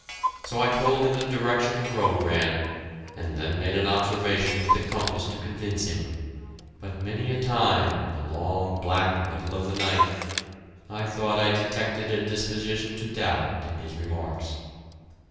So I told him the direction the road ran, and then made an observation with the compass to convince him, but many a time in the long, black middle of the night, I thought I detected a disposition to doubt in his remarks.